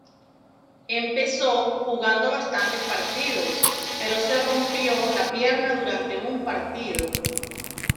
Empezó jugando bastantes partidos, pero se rompió la pierna durante un partido.